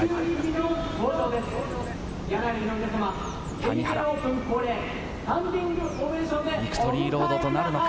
谷原、ヴィクトリーロードとなるのか？